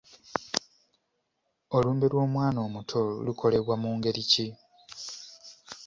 Olumbe lw'omwana omuto lokorebwa mu ngeri ki?